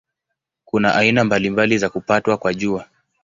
Kuna aina mbalimbali za kupatwa kwa Jua.